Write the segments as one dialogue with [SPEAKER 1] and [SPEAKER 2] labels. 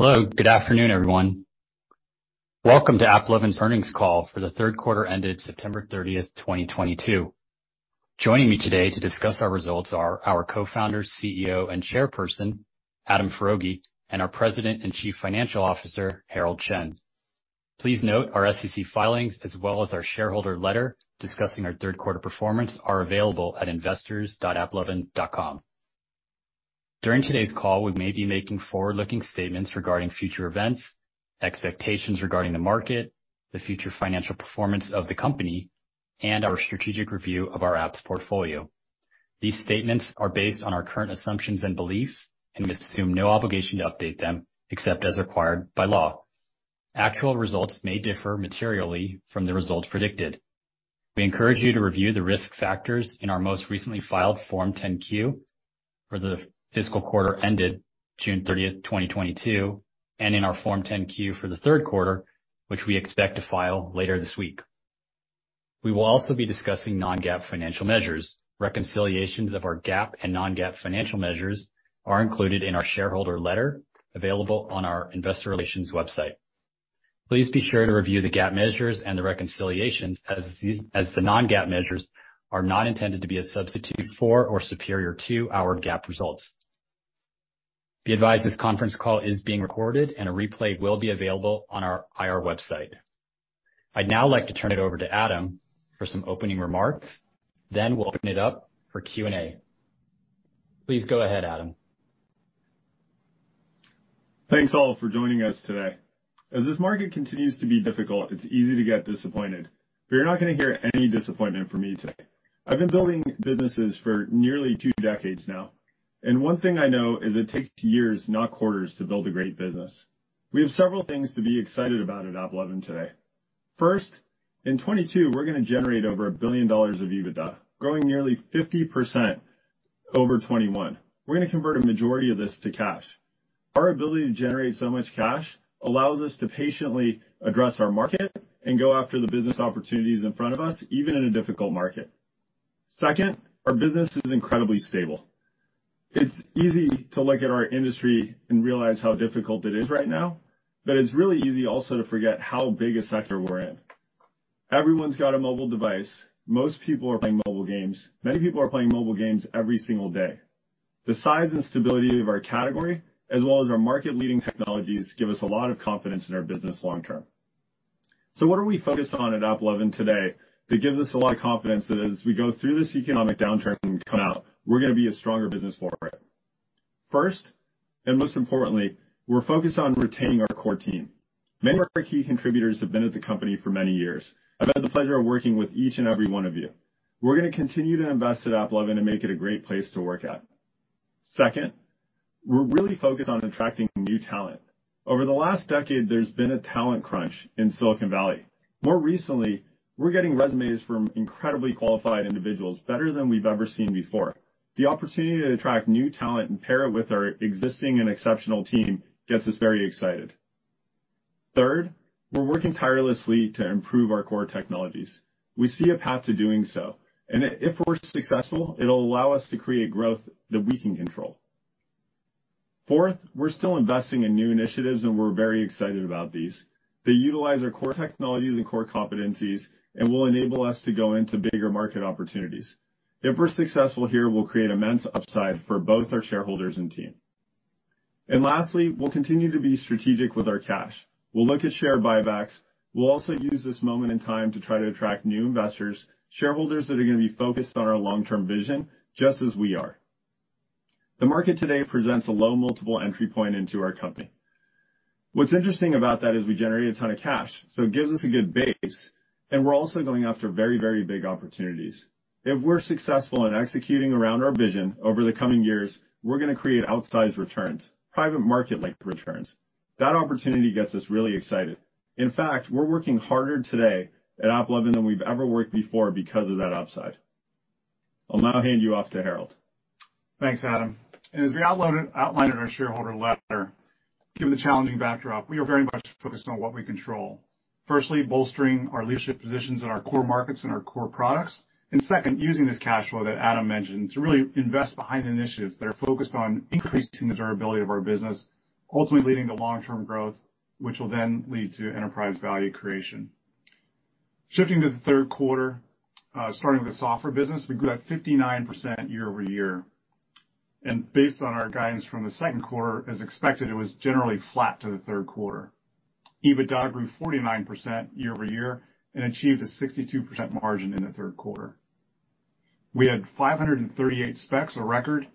[SPEAKER 1] Hello, good afternoon, everyone. Welcome to AppLovin's earnings call for the third quarter ended September 30, 2022. Joining me today to discuss our results are our Co-founder, CEO, and Chairperson, Adam Foroughi, and our President and Chief Financial Officer, Herald Chen. Please note our SEC filings as well as our shareholder letter discussing our third quarter performance are available at investors.applovin.com. During today's call, we may be making forward-looking statements regarding future events, expectations regarding the market, the future financial performance of the company, and our strategic review of our apps portfolio. These statements are based on our current assumptions and beliefs and we assume no obligation to update them except as required by law. Actual results may differ materially from the results predicted. We encourage you to review the risk factors in our most recently filed Form 10-Q for the fiscal quarter ended June 30, 2022, and in our Form 10-Q for the third quarter, which we expect to file later this week. We will also be discussing non-GAAP financial measures. Reconciliations of our GAAP and non-GAAP financial measures are included in our shareholder letter available on our investor relations website. Please be sure to review the GAAP measures and the reconciliations as the non-GAAP measures are not intended to be a substitute for or superior to our GAAP results. Be advised, this conference call is being recorded, and a replay will be available on our IR website. I'd now like to turn it over to Adam for some opening remarks, then we'll open it up for Q&A. Please go ahead, Adam.
[SPEAKER 2] Thanks all for joining us today. As this market continues to be difficult, it's easy to get disappointed, but you're not gonna hear any disappointment from me today. I've been building businesses for nearly two decades now, and one thing I know is it takes years, not quarters, to build a great business. We have several things to be excited about at AppLovin today. First, in 2022, we're gonna generate over $1 billion of EBITDA, growing nearly 50% over 2021. We're gonna convert a majority of this to cash. Our ability to generate so much cash allows us to patiently address our market and go after the business opportunities in front of us, even in a difficult market. Second, our business is incredibly stable. It's easy to look at our industry and realize how difficult it is right now, but it's really easy also to forget how big a sector we're in. Everyone's got a mobile device. Most people are playing mobile games. Many people are playing mobile games every single day. The size and stability of our category as well as our market-leading technologies give us a lot of confidence in our business long term. What are we focused on at AppLovin today that gives us a lot of confidence that as we go through this economic downturn and come out, we're gonna be a stronger business for it? First, and most importantly, we're focused on retaining our core team. Many of our key contributors have been at the company for many years. I've had the pleasure of working with each and every one of you. We're gonna continue to invest at AppLovin and make it a great place to work at. Second, we're really focused on attracting new talent. Over the last decade, there's been a talent crunch in Silicon Valley. More recently, we're getting resumes from incredibly qualified individuals, better than we've ever seen before. The opportunity to attract new talent and pair it with our existing and exceptional team gets us very excited. Third, we're working tirelessly to improve our core technologies. We see a path to doing so, and if we're successful, it'll allow us to create growth that we can control. Fourth, we're still investing in new initiatives, and we're very excited about these. They utilize our core technologies and core competencies and will enable us to go into bigger market opportunities. If we're successful here, we'll create immense upside for both our shareholders and team. Lastly, we'll continue to be strategic with our cash. We'll look at share buybacks. We'll also use this moment in time to try to attract new investors, shareholders that are gonna be focused on our long-term vision, just as we are. The market today presents a low multiple entry point into our company. What's interesting about that is we generate a ton of cash, so it gives us a good base, and we're also going after very, very big opportunities. If we're successful in executing around our vision over the coming years, we're gonna create outsized returns, private market-like returns. That opportunity gets us really excited. In fact, we're working harder today at AppLovin than we've ever worked before because of that upside. I'll now hand you off to Herald.
[SPEAKER 3] Thanks, Adam. As we outlined in our shareholder letter, given the challenging backdrop, we are very much focused on what we control. Firstly, bolstering our leadership positions in our core markets and our core products. Second, using this cash flow that Adam mentioned to really invest behind initiatives that are focused on increasing the durability of our business, ultimately leading to long-term growth, which will then lead to enterprise value creation. Shifting to the third quarter, starting with the software business, we grew at 59% year-over-year. Based on our guidance from the second quarter, as expected, it was generally flat to the third quarter. EBITDA grew 49% year-over-year and achieved a 62% margin in the third quarter. We had 538 SPACs, a record,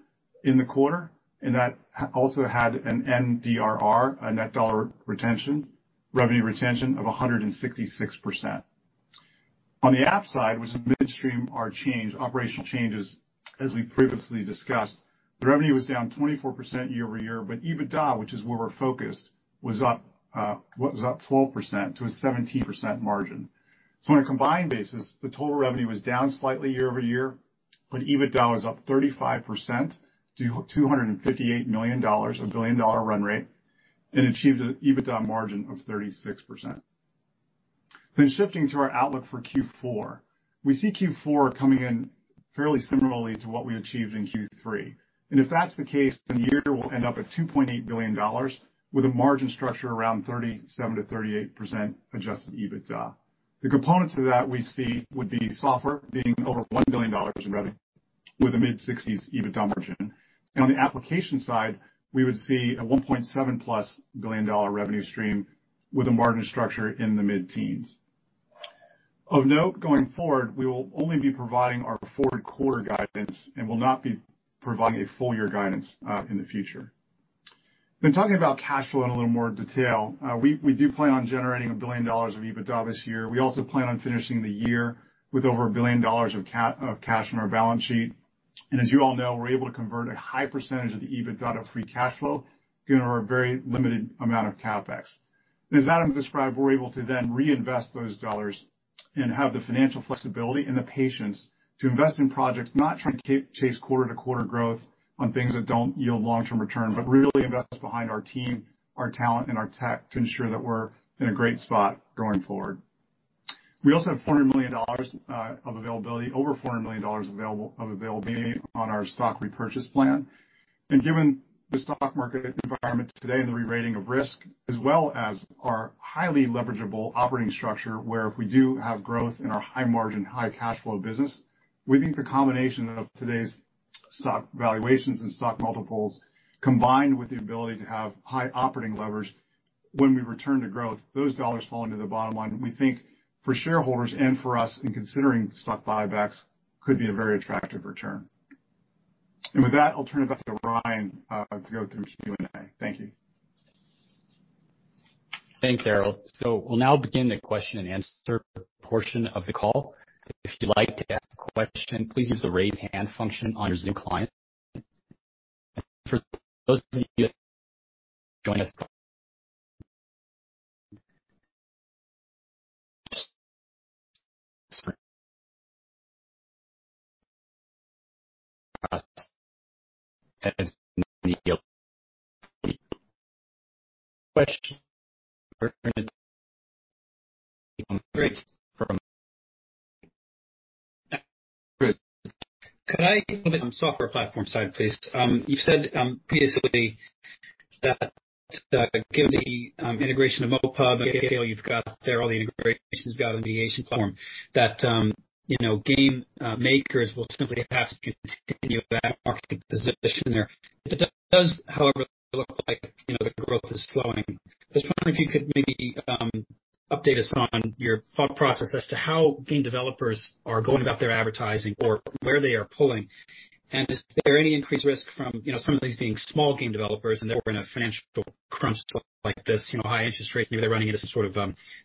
[SPEAKER 3] in the quarter, and that also had an NDRR, a net dollar retention, revenue retention of 166%. On the app side, which is midstream, our operational changes, as we previously discussed, the revenue was down 24% year-over-year, but EBITDA, which is where we're focused, was up 12%-17% margin. On a combined basis, the total revenue was down slightly year-over-year, but EBITDA was up 35% to $258 million, a billion-dollar run rate, and achieved an EBITDA margin of 36%. Shifting to our outlook for Q4. We see Q4 coming in fairly similarly to what we achieved in Q3. If that's the case, then the year will end up at $2.8 billion with a margin structure around 37%-38% Adjusted EBITDA. The components of that we see would be software being over $1 billion in revenue with a mid-60s EBITDA margin. On the application side, we would see a $1.7 billion+ revenue stream with a margin structure in the mid-teens. Of note, going forward, we will only be providing our forward quarter guidance and will not be providing a full year guidance in the future. Talking about cash flow in a little more detail. We do plan on generating $1 billion of EBITDA this year. We also plan on finishing the year with over $1 billion of cash on our balance sheet. As you all know, we're able to convert a high percentage of the EBITDA to free cash flow given our very limited amount of CapEx. As Adam described, we're able to then reinvest those dollars and have the financial flexibility and the patience to invest in projects, not trying to chase quarter-to-quarter growth on things that don't yield long-term return, but really invest behind our team, our talent and our tech to ensure that we're in a great spot going forward. We also have $400 million of availability, over $400 million available on our stock repurchase plan. Given the stock market environment today and the rerating of risk, as well as our highly leverageable operating structure, where if we do have growth in our high margin, high cash flow business, we think the combination of today's stock valuations and stock multiples, combined with the ability to have high operating leverage when we return to growth, those dollars fall into the bottom line. We think for shareholders and for us in considering stock buybacks could be a very attractive return. With that, I'll turn it back to Ryan to go through Q&A. Thank you.
[SPEAKER 1] Thanks, Herald. We'll now begin the question and answer portion of the call. If you'd like to ask a question, please use the raise hand function on your Zoom client. For those of you joining us.
[SPEAKER 4] Could I ask about the software platform side, please? You've said previously that given the integration of MoPub, you've got all the integrations in the Asian market that you know game makers will simply have to continue that market position there. It does, however, look like, you know, the growth is slowing. I was wondering if you could maybe update us on your thought process as to how game developers are going about their advertising or where they are pulling. Is there any increased risk from, you know, some of these being small game developers, and therefore in a financial crunch like this, you know, high interest rates, maybe they're running into some sort of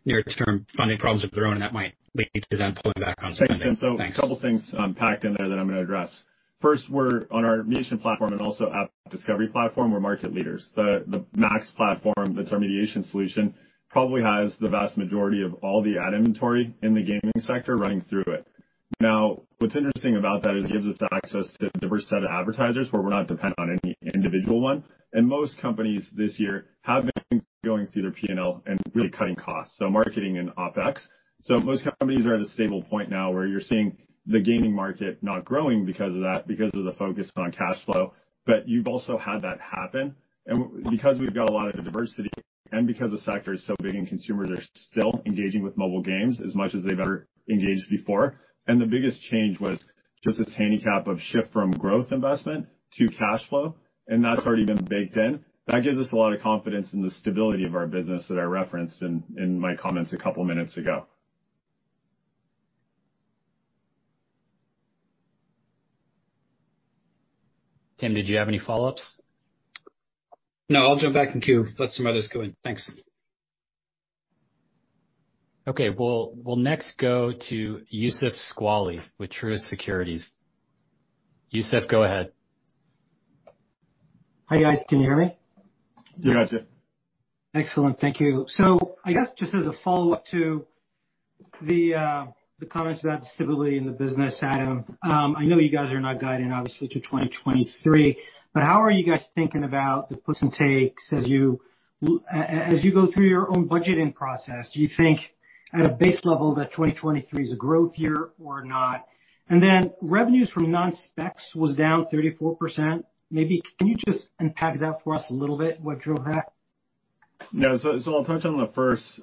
[SPEAKER 4] near-term funding problems of their own, and that might lead to them pulling back on spending. Thanks.
[SPEAKER 2] A couple of things, packed in there that I'm going to address. First, we're on our mediation platform and also app discovery platform, we're market leaders. The MAX platform, that's our mediation solution, probably has the vast majority of all the ad inventory in the gaming sector running through it. Now, what's interesting about that is it gives us access to a diverse set of advertisers where we're not dependent on any individual one. Most companies this year have been going through their P&L and really cutting costs, so marketing and OpEx. Most companies are at a stable point now where you're seeing the gaming market not growing because of that, because of the focus on cash flow. You've also had that happen. Because we've got a lot of diversity and because the sector is so big and consumers are still engaging with mobile games as much as they've ever engaged before, and the biggest change was just this handicap of shift from growth investment to cash flow, and that's already been baked in. That gives us a lot of confidence in the stability of our business that I referenced in my comments a couple of minutes ago.
[SPEAKER 1] Tim, did you have any follow-ups?
[SPEAKER 4] No, I'll jump back in queue. Let some others go in. Thanks.
[SPEAKER 1] Okay. We'll next go to Youssef Squali with Truist Securities. Youssef, go ahead.
[SPEAKER 5] Hi guys. Can you hear me?
[SPEAKER 2] Yeah.
[SPEAKER 5] Excellent. Thank you. I guess just as a follow-up to the comments about the stability in the business, Adam. I know you guys are not guiding obviously to 2023, but how are you guys thinking about the puts and takes as you go through your own budgeting process? Do you think at a base level that 2023 is a growth year or not? Revenues from non-SPACs was down 34%. Maybe you can just unpack that for us a little bit, what drove that?
[SPEAKER 2] No. I'll touch on the first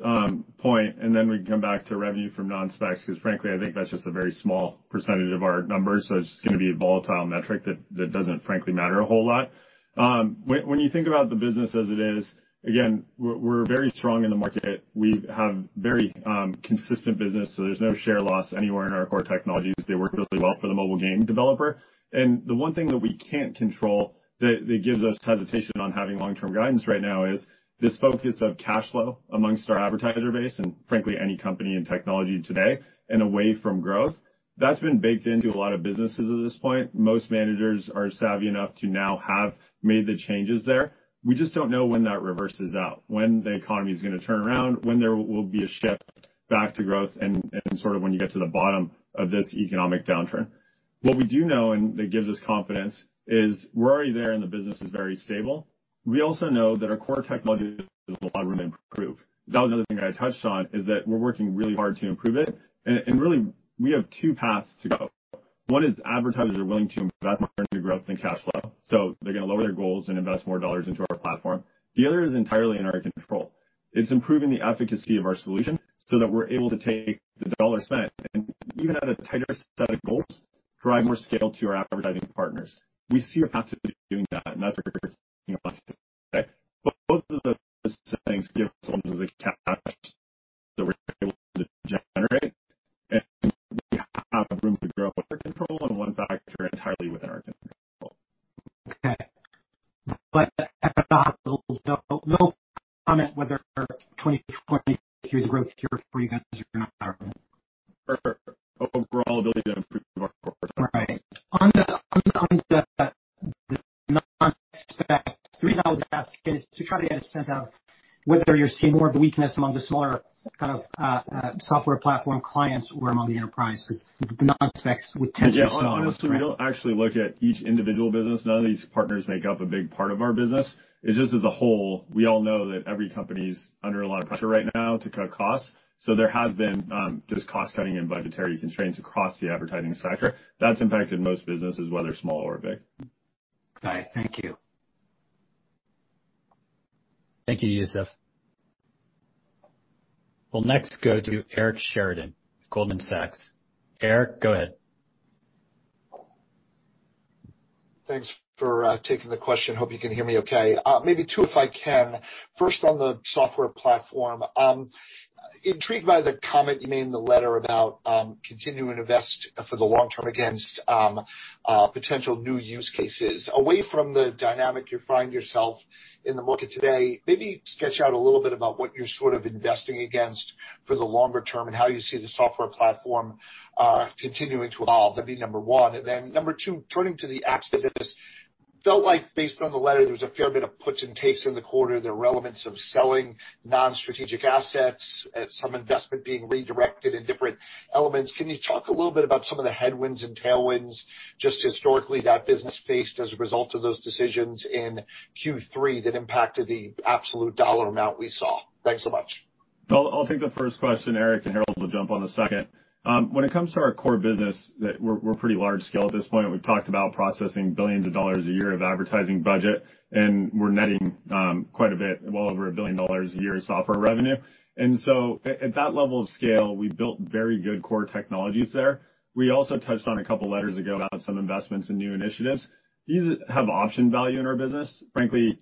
[SPEAKER 2] point, and then we can come back to revenue from non-SPACs, because frankly, I think that's just a very small percentage of our numbers. It's just gonna be a volatile metric that doesn't frankly matter a whole lot. When you think about the business as it is, again, we're very strong in the market. We have very consistent business, so there's no share loss anywhere in our core technologies. They work really well for the mobile game developer. The one thing that we can't control that gives us hesitation on having long-term guidance right now is this focus of cash flow among our advertiser base and frankly, any company in technology today and away from growth. That's been baked into a lot of businesses at this point. Most managers are savvy enough to now have made the changes there. We just don't know when that reverses out, when the economy is gonna turn around, when there will be a shift back to growth and sort of when you get to the bottom of this economic downturn. What we do know, and that gives us confidence, is we're already there and the business is very stable. We also know that our core technology has a lot of room to improve. That was another thing I touched on, is that we're working really hard to improve it. Really, we have two paths to go. One is advertisers are willing to invest more into growth and cash flow, so they're gonna lower their goals and invest more dollars into our platform. The other is entirely in our control. It's improving the efficacy of our solution so that we're able to take the dollar spent and even at a tighter set of goals, drive more scale to our advertising partners. We see a path to doing that, and that's where both of those things give someone the cash that we're able to generate. We have room to grow with our control and one factor entirely within our control.
[SPEAKER 5] Okay. At the top, we'll comment whether 2023's growth year for you guys or not?
[SPEAKER 2] Our overall ability to improve our core.
[SPEAKER 5] Right. On the non-SPACs, the reason I was asking is to try to get a sense of whether you're seeing more of the weakness among the smaller kind of software platform clients or among the enterprise, 'cause the non-SPACs would tend to be smaller.
[SPEAKER 2] Yeah. Honestly, we don't actually look at each individual business. None of these partners make up a big part of our business. It's just as a whole, we all know that every company's under a lot of pressure right now to cut costs. There has been just cost-cutting and budgetary constraints across the advertising sector. That's impacted most businesses, whether small or big.
[SPEAKER 5] Okay. Thank you.
[SPEAKER 1] Thank you Youssef. We'll next go to Eric Sheridan, Goldman Sachs. Eric, go ahead.
[SPEAKER 6] Thanks for taking the question. Hope you can hear me okay. Maybe two, if I can. First, on the software platform, intrigued by the comment you made in the letter about continuing to invest for the long term against potential new use cases. Away from the dynamic you find yourself in the market today, maybe sketch out a little bit about what you're sort of investing against for the longer term and how you see the software platform continuing to evolve. That'd be number one. Number two, turning to the app business. Felt like based on the letter, there was a fair bit of puts and takes in the quarter, the relevance of selling non-strategic assets and some investment being redirected in different elements. Can you talk a little bit about some of the headwinds and tailwinds, just historically, that business faced as a result of those decisions in Q3 that impacted the absolute dollar amount we saw? Thanks so much.
[SPEAKER 2] I'll take the first question Eric and Herald will jump on the second. When it comes to our core business, that we're pretty large scale at this point. We've talked about processing billions of dollars a year of advertising budget, and we're netting quite a bit, well over $1 billion a year in software revenue. At that level of scale, we've built very good core technologies there. We also touched on a couple quarters ago about some investments in new initiatives. These have option value in our business. Frankly,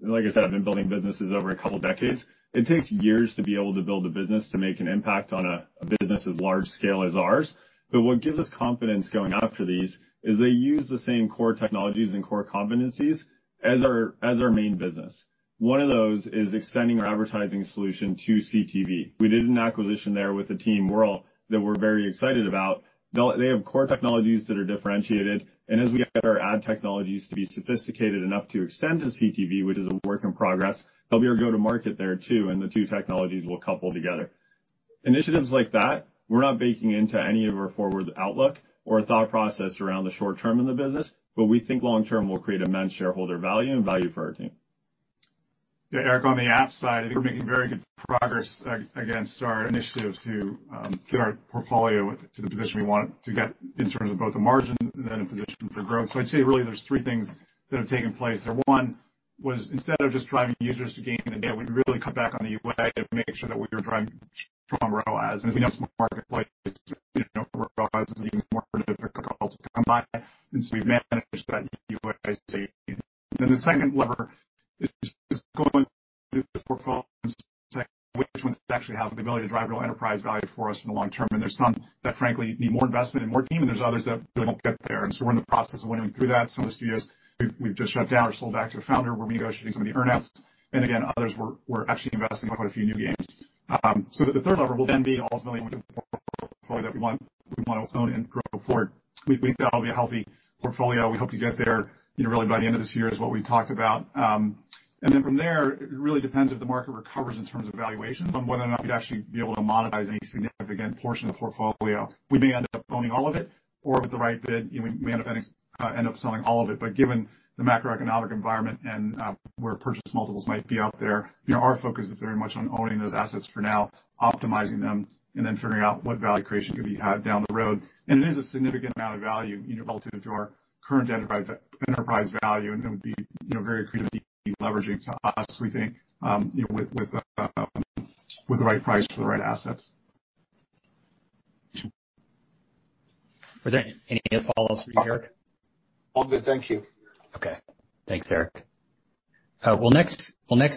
[SPEAKER 2] like I said, I've been building businesses over a couple decades. It takes years to be able to build a business to make an impact on a business as large scale as ours. What gives us confidence going after these is they use the same core technologies and core competencies as our main business. One of those is extending our advertising solution to CTV. We did an acquisition there with Wurl that we're very excited about. They have core technologies that are differentiated, and as we get our ad technologies to be sophisticated enough to extend to CTV, which is a work in progress, they'll be our go-to-market there too, and the two technologies will couple together. Initiatives like that, we're not baking into any of our forward outlook or thought process around the short term in the business, but we think long term will create immense shareholder value and value for our team.
[SPEAKER 3] Yeah. Eric, on the app side, I think we're making very good progress against our initiatives to get our portfolio to the position we want to get in terms of both the margins and in position for growth. I'd say really there's three things that have taken place there. One was instead of just driving users to gain in the day, we really cut back on the UA to make sure that we were driving strong ROAS. As we know, small marketplace, you know, ROAS is even more difficult to come by. We've managed that UA. The second lever is going through the portfolio, which ones actually have the ability to drive real enterprise value for us in the long term. There's some that frankly need more investment and more team, and there's others that really won't get there. We're in the process of winning through that. Some of the studios we've just shut down or sold back to the founder. We're negotiating some of the earnouts. Others we're actually investing in quite a few new games. The third lever will then be ultimately which portfolio that we want, we wanna own and grow forward. We think that'll be a healthy portfolio. We hope to get there, you know, really by the end of this year is what we talked about. From there, it really depends if the market recovers in terms of valuations on whether or not we'd actually be able to monetize any significant portion of the portfolio. We may end up owning all of it or with the right bid, you know, we may end up selling all of it. Given the macroeconomic environment and where purchase multiples might be out there, you know, our focus is very much on owning those assets for now, optimizing them, and then figuring out what value creation could be had down the road. It is a significant amount of value, you know, relative to our current enterprise value, and it would be, you know, very accretive leveraging to us, we think, with the right price for the right assets.
[SPEAKER 1] Are there any follow-ups for you Eric?
[SPEAKER 6] All good thank you.
[SPEAKER 1] Okay thanks Eric. We'll next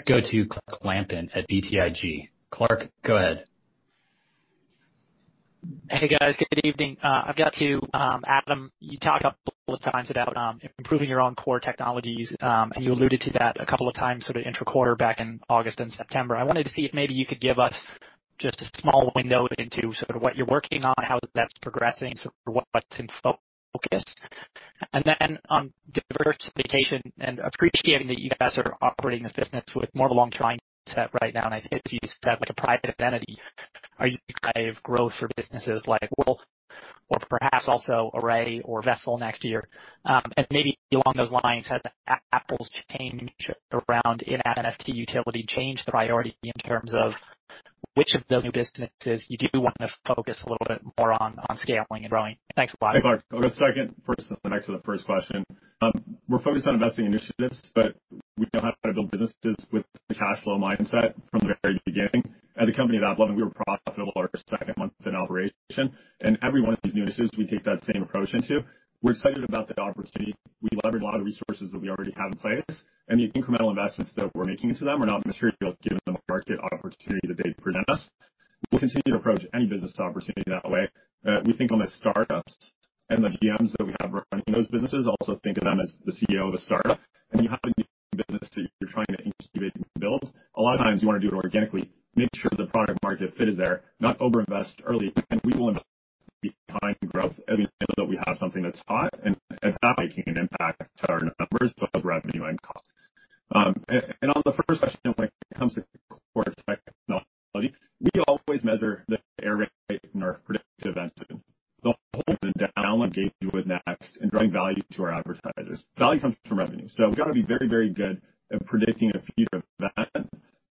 [SPEAKER 1] go to Clark Lampen at BTIG. Clark, go ahead.
[SPEAKER 7] Hey guys good evening Adam you talked a couple of times about improving your own core technologies, and you alluded to that a couple of times sort of intra-quarter back in August and September. I wanted to see if maybe you could give us just a small window into sort of what you're working on, how that's progressing, sort of what's in focus. Then on diversification and appreciating that you guys are operating this business with more of a long-term mindset right now, and I think as you said, like a private entity, what kind of growth for businesses like Wurl or perhaps also Array or Adjust next year? Maybe along those lines, has Apple's change around in-app NFT utility changed the priority in terms of which of those new businesses you do wanna focus a little bit more on scaling and growing? Thanks a lot.
[SPEAKER 2] Thanks Clark I'll go second first, then back to the first question. We're focused on investing initiatives, but we know how to build businesses with the cash flow mindset from the very beginning. As a company at AppLovin, we were profitable our second month in operation, and every one of these new initiatives we take that same approach into. We're excited about the opportunity. We leverage a lot of the resources that we already have in place, and the incremental investments that we're making into them are not material given the market opportunity that they present us. We continue to approach any business opportunity that way. We think on the startups and the GMs that we have running those businesses also think of them as the CEO of a startup. You have a new business that you're trying to incubate and build, a lot of times you wanna do it organically, make sure the product market fit is there, not over-invest early. We will invest behind growth every time that we have something that's hot and that making an impact to our numbers of revenue and costs. On the first question, when it comes to core technology, we always measure the error rate in our predictive events. The workflow we engage with next in driving value to our advertisers. Value comes from revenue, so we gotta be very, very good at predicting and a preview of that.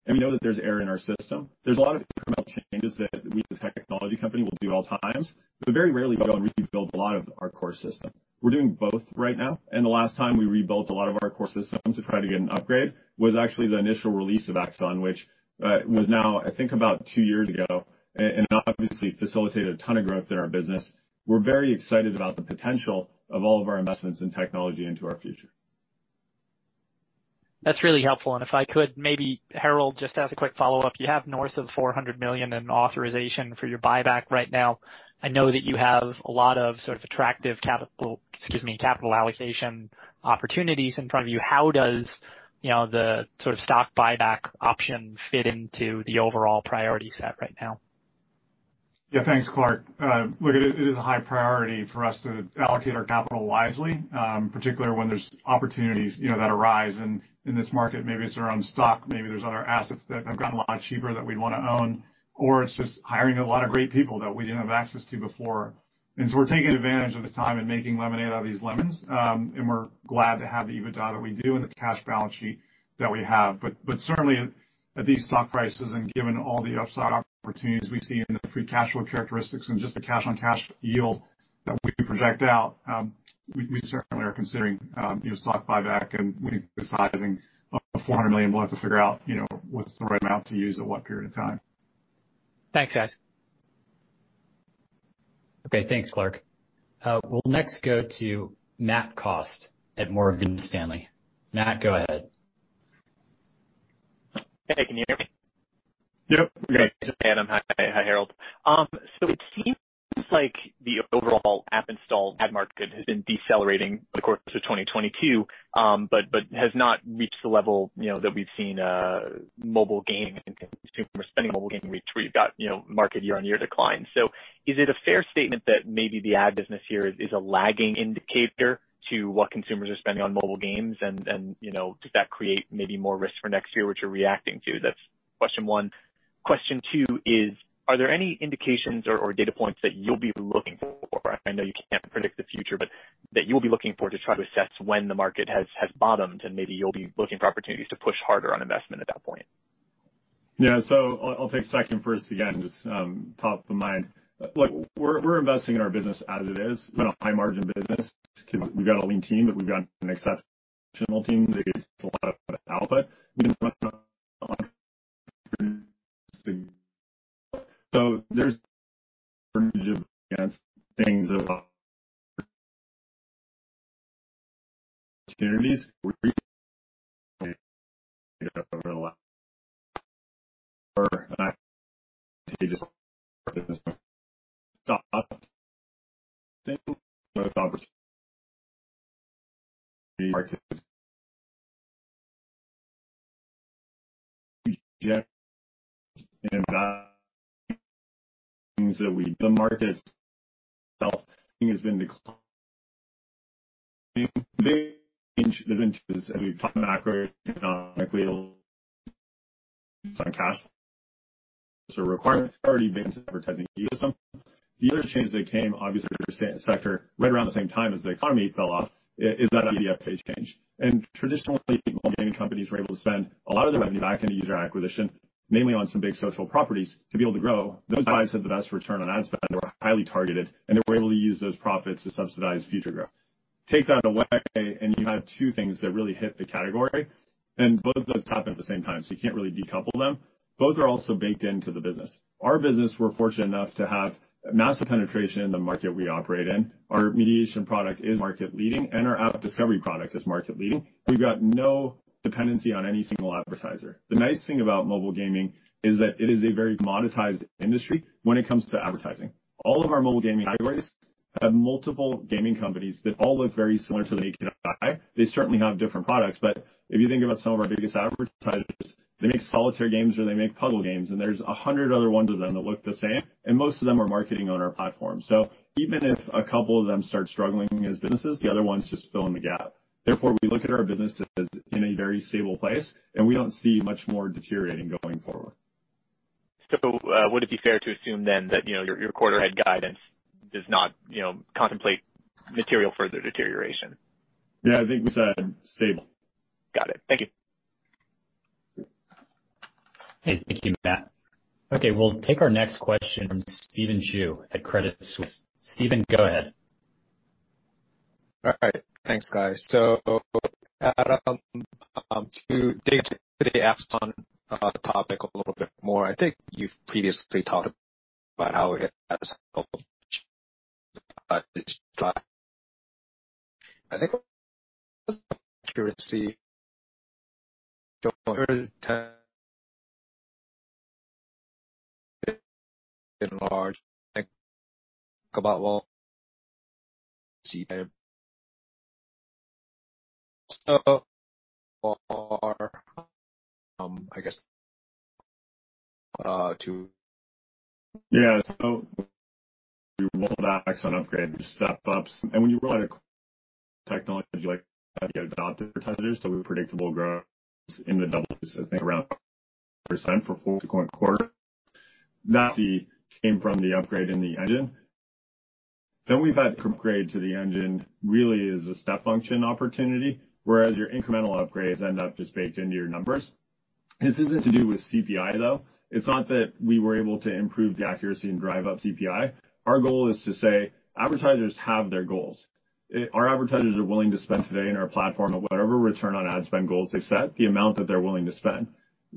[SPEAKER 2] We know that there's error in our system. There's a lot of incremental changes that we as a technology company will do at all times, but very rarely go and rebuild a lot of our core system. We're doing both right now, and the last time we rebuilt a lot of our core system to try to get an upgrade was actually the initial release of Axon, which was now I think about two years ago, and obviously facilitated a ton of growth in our business. We're very excited about the potential of all of our investments in technology into our future.
[SPEAKER 7] That's really helpful. If I could maybe, Herald, just as a quick follow-up, you have north of $400 million in authorization for your buyback right now. I know that you have a lot of sort of attractive capital, excuse me, capital allocation opportunities in front of you. How does, you know, the sort of stock buyback option fit into the overall priority set right now?
[SPEAKER 3] Yeah. Thanks, Clark. Look, it is a high priority for us to allocate our capital wisely, particularly when there's opportunities, you know, that arise in this market. Maybe it's our own stock, maybe there's other assets that have gotten a lot cheaper that we'd wanna own, or it's just hiring a lot of great people that we didn't have access to before. We're taking advantage of the time and making lemonade out of these lemons, and we're glad to have the EBITDA that we do and the cash balance sheet that we have. Certainly at these stock prices and given all the upside opportunities we see in the free cash flow characteristics and just the cash-on-cash yield that we can project out, we certainly are considering, you know, stock buyback, and we're sizing $400 million. We'll have to figure out, you know, what's the right amount to use in what period of time.
[SPEAKER 7] Thanks guys.
[SPEAKER 1] Okay thanks Clark. We'll next go to Matthew Cost at Morgan Stanley. Matt, go ahead.
[SPEAKER 8] Hey can you hear me?
[SPEAKER 2] Yep.
[SPEAKER 8] Okay. Adam, hi. Hi, Herald. It seems like the overall app install ad market has been decelerating over the course of 2022, but has not reached the level, you know, that we've seen mobile gaming and consumer spending on mobile gaming reach where you've got, you know, market year-on-year decline. Is it a fair statement that maybe the ad business here is a lagging indicator to what consumers are spending on mobile games and, you know, does that create maybe more risk for next year, which you're reacting to? That's question one. Question two is, are there any indications or data points that you'll be looking for? I know you can't predict the future, but that you'll be looking for to try to assess when the market has bottomed and maybe you'll be looking for opportunities to push harder on investment at that point.
[SPEAKER 2] I'll take second first again, just top of mind. Look, we're investing in our business as it is. It's been a high margin business 'cause we've got a lean team, but we've got an exceptional team that gets a lot of output. We invest, so there's things about opportunities. The market itself has been declining. The other change that came obviously to the sector right around the same time as the economy fell off is that IDFA change. Traditionally, mobile gaming companies were able to spend a lot of their revenue back into user acquisition, mainly on some big social properties to be able to grow. Those guys had the best return on ad spend. They were highly targeted, and they were able to use those profits to subsidize future growth. Take that away and you have two things that really hit the category, and both of those happen at the same time, so you can't really decouple them. Both are also baked into the business. Our business, we're fortunate enough to have massive penetration in the market we operate in. Our mediation product is market leading and our AppDiscovery product is market leading. We've got no dependency on any single advertiser. The nice thing about mobile gaming is that it is a very monetized industry when it comes to advertising. All of our mobile gaming categories have multiple gaming companies that all look very similar to the AK9. They certainly have different products, but if you think about some of our biggest advertisers, they make solitaire games or they make puzzle games, and there's 100 other ones of them that look the same, and most of them are marketing on our platform. Even if a couple of them start struggling as businesses, the other ones just fill in the gap. Therefore, we look at our business as in a very stable place, and we don't see much more deteriorating going forward.
[SPEAKER 8] Would it be fair to assume then that, you know, your quarter-ahead guidance does not, you know, contemplate material further deterioration?
[SPEAKER 2] Yeah, I think we said stable.
[SPEAKER 8] Got it. Thank you.
[SPEAKER 1] Okay thank you Matt. Okay, we'll take our next question from Stephen Ju at Credit Suisse. Stephen, go ahead.
[SPEAKER 9] All right thanks, guys. Adam to dig deeper on the topic a little bit more, I think you've previously talked about how it has helped. I think accuracy don't tend to enlarge about well CPI. So far, I guess, to.
[SPEAKER 2] Yeah. You roll back on upgrades, step ups. When you roll out a technology like that, you have adopted advertisers, so we have predictable growth in the double digits, I think around 20% for four consecutive quarters. That came from the upgrade in the engine. The upgrade to the engine really is a step function opportunity, whereas your incremental upgrades end up just baked into your numbers. This isn't to do with CPI, though. It's not that we were able to improve the accuracy and drive up CPI. Our goal is to say advertisers have their goals. Our advertisers are willing to spend today in our platform at whatever return on ad spend goals they set, the amount that they're willing to spend.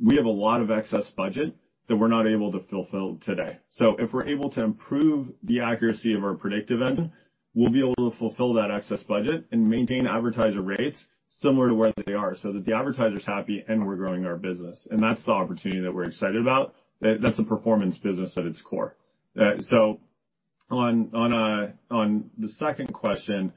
[SPEAKER 2] We have a lot of excess budget that we're not able to fulfill today. If we're able to improve the accuracy of our predictive engine, we'll be able to fulfill that excess budget and maintain advertiser rates similar to where they are so that the advertiser is happy and we're growing our business. That's the opportunity that we're excited about. That's a performance business at its core. On the second question,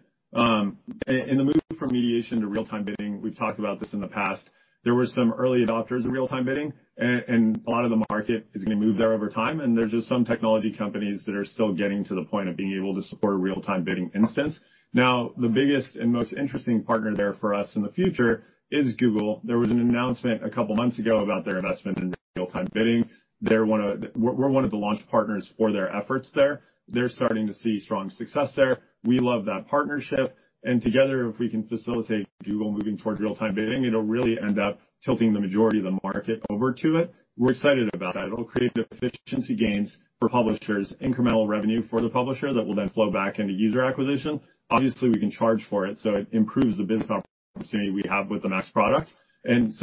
[SPEAKER 2] in the move from mediation to real-time bidding, we've talked about this in the past. There were some early adopters of real-time bidding, and a lot of the market is going to move there over time. There's just some technology companies that are still getting to the point of being able to support real-time bidding instances. Now, the biggest and most interesting partner there for us in the future is Google. There was an announcement a couple months ago about their investment in real-time bidding. We're one of the launch partners for their efforts there. They're starting to see strong success there. We love that partnership. Together, if we can facilitate Google moving towards real-time bidding, it'll really end up tilting the majority of the market over to it. We're excited about that. It'll create efficiency gains for publishers, incremental revenue for the publisher that will then flow back into user acquisition. Obviously, we can charge for it, so it improves the biz opportunity we have with the MAX product.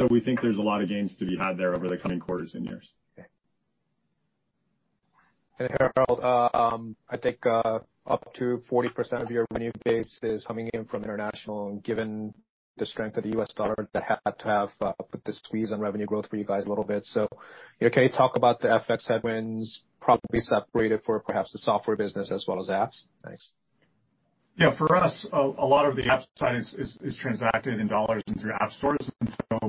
[SPEAKER 2] We think there's a lot of gains to be had there over the coming quarters and years.
[SPEAKER 9] Okay. Herald I think, up to 40% of your revenue base is coming in from international. Given the strength of the US dollar, that had to have put the squeeze on revenue growth for you guys a little bit. Can you talk about the FX headwinds probably separated for perhaps the software business as well as apps? Thanks.
[SPEAKER 3] Yeah, for us, a lot of the app side is transacted in dollars and through app stores.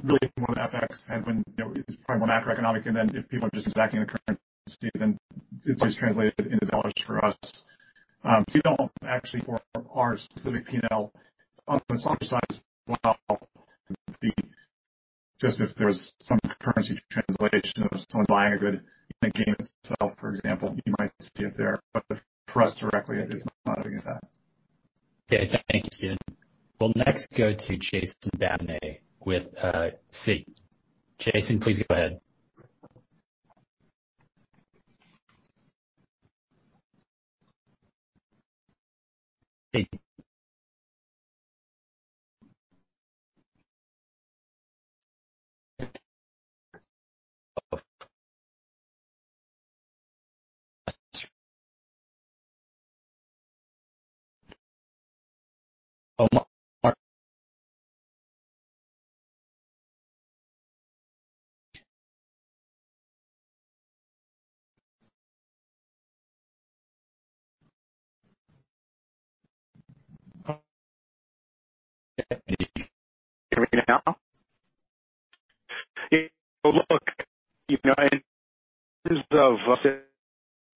[SPEAKER 3] Really more the FX headwinds, you know, it's probably more macroeconomic. If people are just backing the currency, then it's just translated into dollars for us. We don't actually for our specific P&L on the software side as well, just if there's some currency translation of someone buying a good in-game itself, for example, you might see it there. For us directly, it is not doing that.
[SPEAKER 1] Okay. Thank you Stephen we'll next go to Jason Bazinet with Citi. Jason, please go ahead.
[SPEAKER 10] Can you hear me now? Look, you know,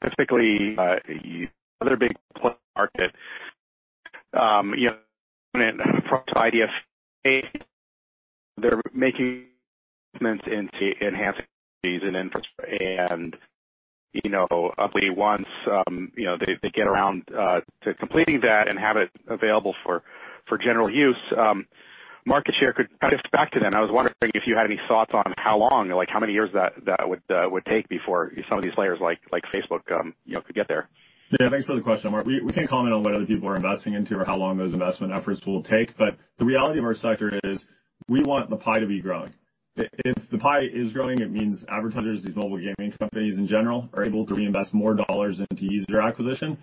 [SPEAKER 10] specifically in other big markets, you know, from IDFA, they're making investments into enhancing their infrastructure. You know, once they get around to completing that and have it available for general use, market share could kind of come back to them. I was wondering if you had any thoughts on how long, like, how many years that would take before some of these players, like Facebook, you know, could get there.
[SPEAKER 2] Yeah. Thanks for the question, Mark. We can't comment on what other people are investing into or how long those investment efforts will take. The reality of our sector is we want the pie to be growing. If the pie is growing, it means advertisers, these mobile gaming companies in general, are able to reinvest more dollars into user acquisition.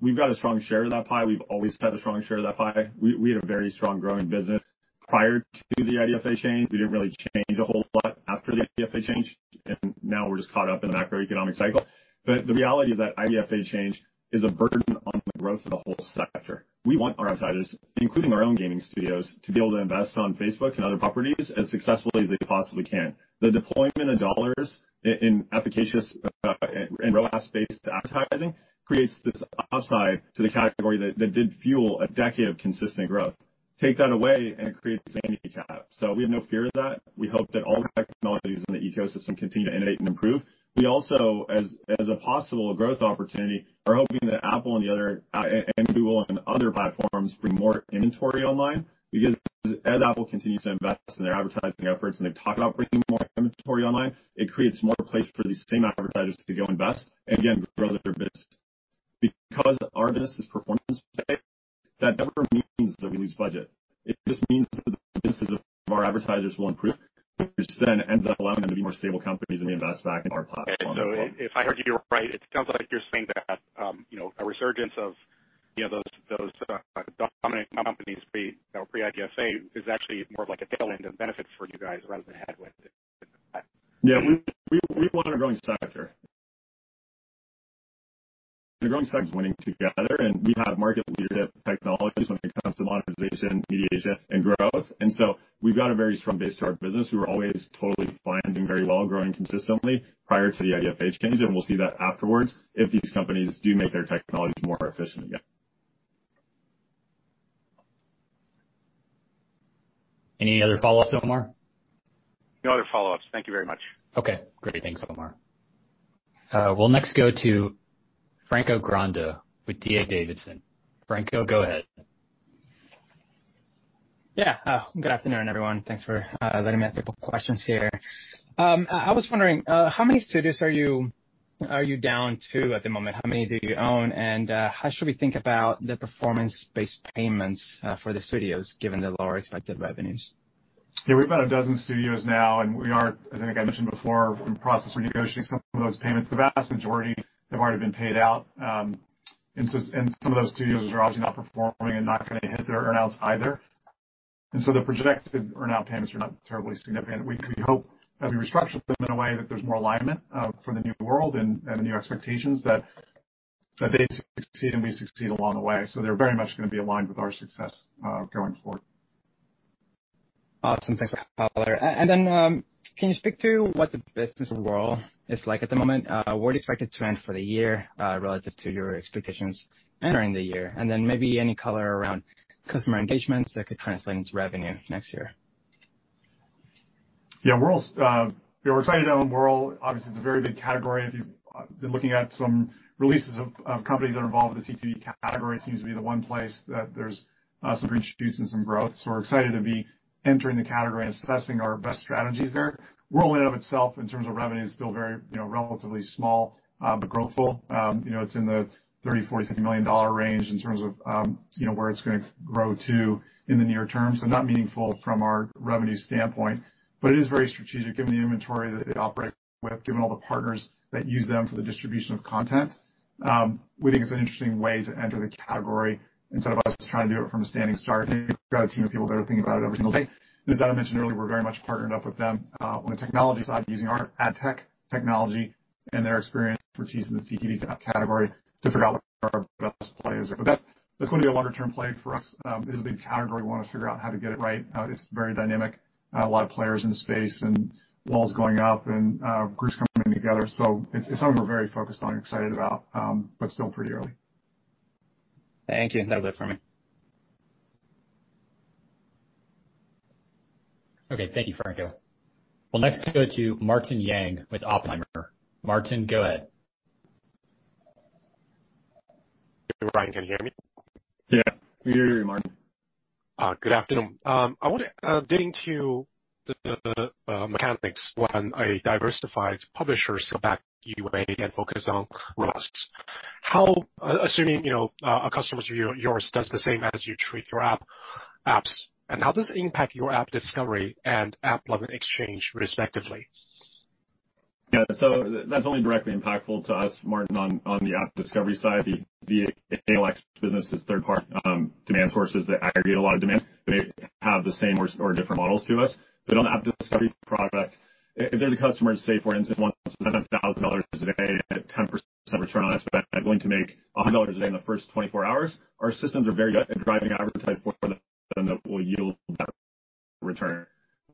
[SPEAKER 2] We've got a strong share of that pie. We've always had a strong share of that pie. We had a very strong growing business prior to the IDFA change. We didn't really change a whole lot after the IDFA change, and now we're just caught up in the macroeconomic cycle. The reality is that IDFA change is a burden on the growth of the whole sector. We want our advertisers, including our own gaming studios, to be able to invest on Facebook and other properties as successfully as they possibly can. The deployment of dollars in efficient in ROAS-based advertising creates this upside to the category that did fuel a decade of consistent growth. Take that away and it creates a handicap. We have no fear of that. We hope that all the technologies in the ecosystem continue to innovate and improve. We also, as a possible growth opportunity, are hoping that Apple and the other and Google and other platforms bring more inventory online, because as Apple continues to invest in their advertising efforts and they talk about bringing more inventory online, it creates more places for these same advertisers to go invest, and again, grow their business. Because our business is performance-based, that never means that we lose budget. It just means that the businesses of our advertisers will improve, which then ends up allowing them to be more stable companies and they invest back in our platform as well.
[SPEAKER 10] Okay. If I heard you right, it sounds like you're saying that, you know, a resurgence of, you know, those dominant companies pre-IDFA is actually more of like a tailwind of benefits for you guys rather than a headwind.
[SPEAKER 2] Yeah. We want a growing sector. The growing sector is winning together, and we have market leadership technologies when it comes to monetization, mediation, and growth. We've got a very strong base to our business. We were always totally fine, doing very well, growing consistently prior to the IDFA change, and we'll see that afterwards if these companies do make their technologies more efficient again.
[SPEAKER 1] Any other follow-ups Omar?
[SPEAKER 10] No other follow-ups. Thank you very much.
[SPEAKER 1] Okay, great. Thanks Omar. We'll next go to Franco Granda with D.A. Davidson. Franco, go ahead.
[SPEAKER 11] Yeah. Good afternoon, everyone. Thanks for letting me ask a couple questions here. I was wondering how many studios are you down to at the moment? How many do you own? How should we think about the performance-based payments for the studios given the lower expected revenues?
[SPEAKER 3] Yeah. We have about a dozen studios now, and we are, as I think I mentioned before, in the process of renegotiating some of those payments. The vast majority have already been paid out, and some of those studios are obviously not performing and not gonna hit their earn-outs either. The projected earn-out payments are not terribly significant. We hope as we restructure them in a way that there's more alignment for the new world and the new expectations that they succeed and we succeed along the way. They're very much gonna be aligned with our success going forward.
[SPEAKER 11] Awesome. Thanks for the color. Can you speak to what the business world is like at the moment? Where do you expect it to trend for the year, relative to your expectations entering the year? Maybe any color around customer engagements that could translate into revenue next year.
[SPEAKER 3] Yeah. We're excited to own Wurl. Obviously, it's a very big category. If you've been looking at some releases of companies that are involved in the CTV category, seems to be the one place that there's some reintroductions and some growth. We're excited to be entering the category and assessing our best strategies there. Wurl in and of itself in terms of revenue is still very, you know, relatively small, but growthful. You know, it's in the $30 million, $40 million, $50 million range in terms of, you know, where it's gonna grow to in the near term. Not meaningful from our revenue standpoint, but it is very strategic given the inventory that they operate with, given all the partners that use them for the distribution of content. We think it's an interesting way to enter the category instead of us trying to do it from a standing start. We've got a team of people that are thinking about it every single day. As Adam mentioned earlier, we're very much partnered up with them on the technology side, using our ad tech technology and their experience, which is in the CTV category, to figure out what are our best plays. That's gonna be a longer term play for us. It's a big category. We wanna figure out how to get it right. It's very dynamic. A lot of players in the space and walls going up and groups coming together. It's something we're very focused on and excited about, but still pretty early.
[SPEAKER 11] Thank you. That's it for me.
[SPEAKER 1] Okay. Thank you Franco. We'll next go to Martin Yang with Oppenheimer. Martin, go ahead.
[SPEAKER 12] Ryan can you hear me?
[SPEAKER 2] Yeah we hear you Martin.
[SPEAKER 12] Good afternoon I wonder, getting to the mechanics when a diversified publisher goes back to UA and focus on ROAS, assuming, you know, a customer of yours does the same as you treat your apps and how does it impact your AppDiscovery and AppLovin and Exchange respectively?
[SPEAKER 2] Yeah. That's only directly impactful to us, Martin, on the app discovery side. The ALX business is third party demand sources that aggregate a lot of demand. They have the same or different models to us. On the app discovery product, if the customer, say for instance, wants to spend $1,000 a day at 10% return on ad spend, they're going to make $100 a day in the first 24 hours. Our systems are very good at driving advertising for them that will yield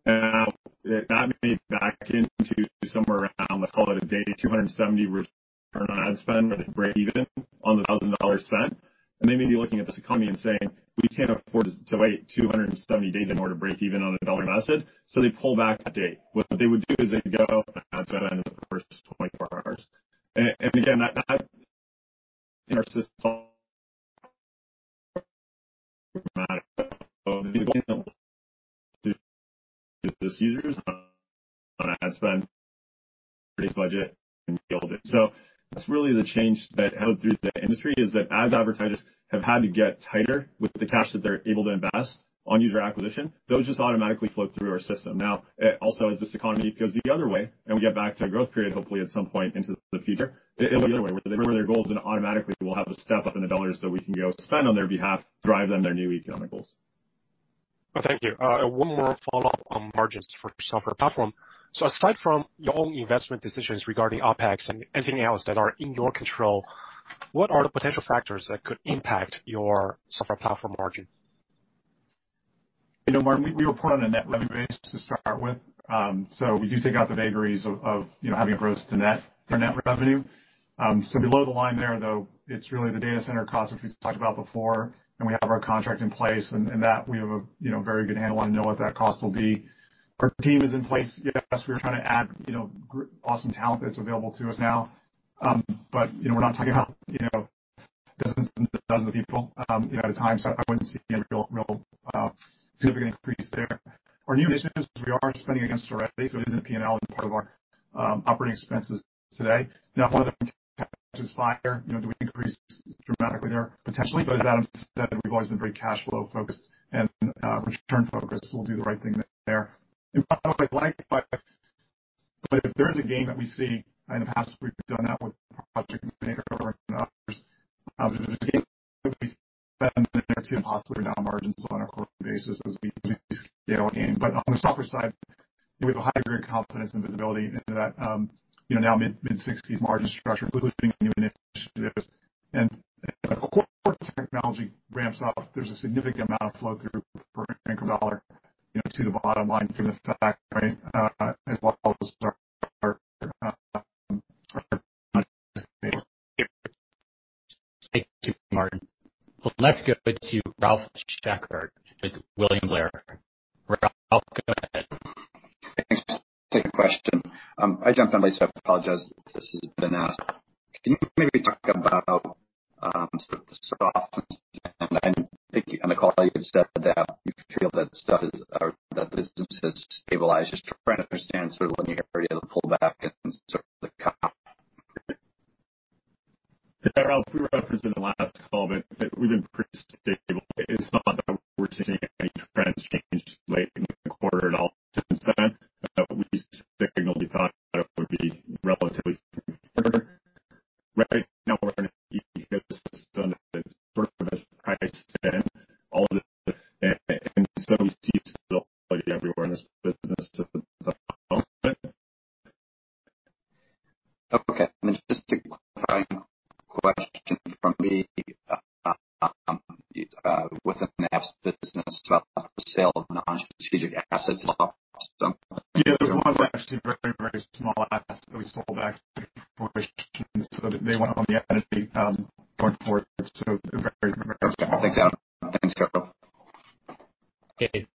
[SPEAKER 2] that return. Now, that may back into somewhere around, let's call it a 270-day return on ad spend, where they break even on the $1,000 spent, and they may be looking at this economy and saying, "We can't afford to wait 270 days in order to break even on $1 invested." They pull back the date. What they would do is they'd go and spend in the first 24 hours. And again, that in our system produces on ad spend, raise budget and yield it. That's really the change that echoed through the industry, is that as advertisers have had to get tighter with the cash that they're able to invest on user acquisition, those just automatically flow through our system. Now, also as this economy goes the other way and we get back to a growth period, hopefully at some point into the future, it'll go the other way where they lower their goals and automatically we'll have to step up in the dollars so we can go spend on their behalf, drive them their new economic goals.
[SPEAKER 12] Thank you. One more follow-up on margins for software platform. Aside from your own investment decisions regarding OpEx and anything else that are in your control, what are the potential factors that could impact your software platform margin?
[SPEAKER 3] You know, Martin, we report on a net revenue base to start with. We do take out the vagaries of you know, having a gross to net for net revenue. Below the line there, though, it's really the data center cost, which we've talked about before, and we have our contract in place and that we have a you know, very good handle on, know what that cost will be. Our team is in place. Yes, we are trying to add you know, awesome talent that's available to us now. You know, we're not talking about you know, dozens and dozens of people you know, at a time, so I wouldn't see any real significant increase there. Our new initiatives, we are spending against already, so it is in P&L as part of our operating expenses today. Now, if one of them catches fire, you know, do we increase dramatically there? Potentially. As Adam said, we've always been very cash flow focused and return focused. We'll do the right thing there. In product, I like, but if there is a gain that we see, in the past we've done that with Project Banker and others. There's a gain that we spend to possibly down margins on a quarterly basis as we scale a gain. On the software side, we have a high degree of confidence and visibility into that, you know, now mid-sixties margin structure, including new initiatives. As the core technology ramps up, there's a significant amount of flow through per bank dollar, you know, to the bottom line from the stack, right? As well as our
[SPEAKER 1] Thank you Martin. Let's go to Ralph Schackart with William Blair. Ralph, go ahead.
[SPEAKER 13] Thanks. I'll take a question. I jumped in late, so
[SPEAKER 3] Yeah. There was one actually very, very small asset that we sold back in the quarter. They went on the entity, going forward. Very very small.
[SPEAKER 13] Okay thanks Adam thanks Herald.
[SPEAKER 1] Okay. Thank you Ralph we'll go ahead and start our last question from David Pang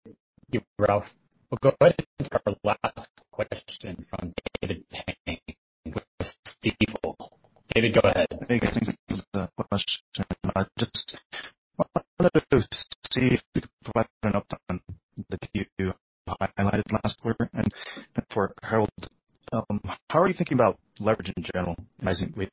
[SPEAKER 1] with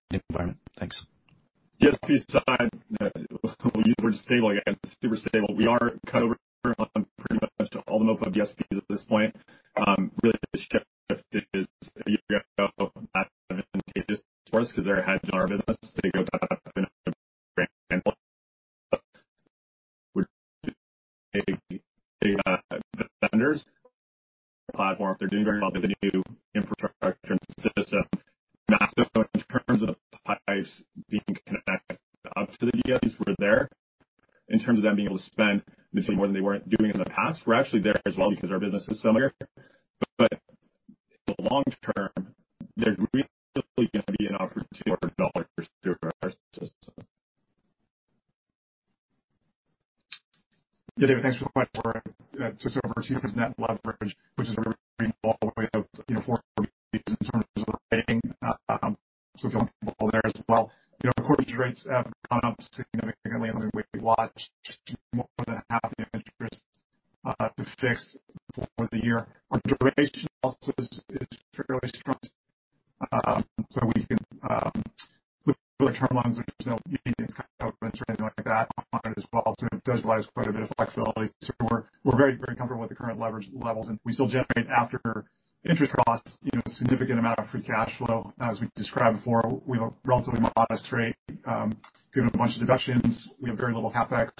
[SPEAKER 3] levels, and we still generate, after interest costs, you know, a significant amount of free cash flow. As we described before, we have a relatively modest rate, given a bunch of deductions. We have very little CapEx,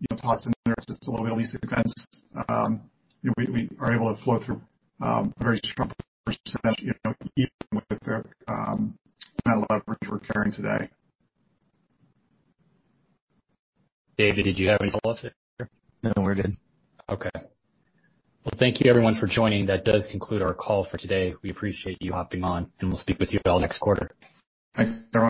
[SPEAKER 3] you know, costs in there, just a little bit of leasing expense. You know, we are able to flow through a very strong percentage, you know, even with the amount of leverage we're carrying today.
[SPEAKER 1] David did you have any follow-ups there?
[SPEAKER 14] No we're good.
[SPEAKER 1] Okay well thank you everyone for joining. That does conclude our call for today. We appreciate you hopping on, and we'll speak with you all next quarter.
[SPEAKER 3] Thanks everyone.